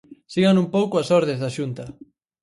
Sigan un pouco as ordes da Xunta.